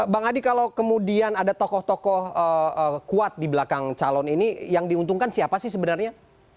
bang adi kalau kemudian ada tokoh tokoh kuat di belakang calon ini yang diuntungkan siapa sih sebenarnya